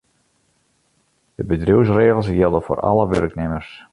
De bedriuwsregels jilde foar alle wurknimmers.